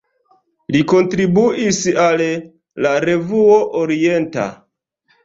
Li kontribuis al "La Revuo Orienta".